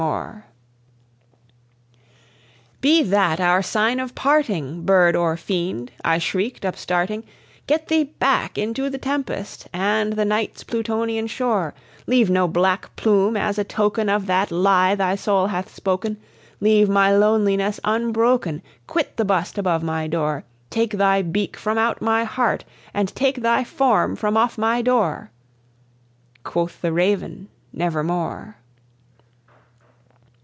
"Be that our sign of parting, bird or fiend," I shrieked, upstarting "Get thee back into the tempest and the night's Plutonian shore; Leave no black plume as a token of that lie thy soul hath spoken, Leave my loneliness unbroken quit the bust above my door, Take thy beak from out my heart and take thy form from off my door!" Quoth the Raven, "Nevermore."